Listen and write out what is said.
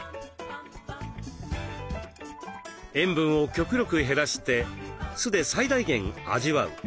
塩分を極力減らして酢で最大限味わう。